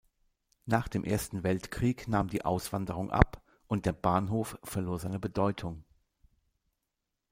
Nach dem Ersten Weltkrieg nahm die Auswanderung ab und der Bahnhof verlor seine Bedeutung.